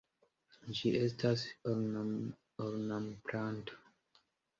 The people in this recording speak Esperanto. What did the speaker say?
Ĝi estas grava ornamplanto.